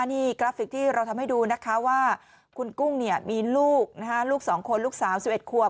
นี่กราฟิกที่เราทำให้ดูนะคะว่าคุณกุ้งมีลูกลูก๒คนลูกสาว๑๑ควบ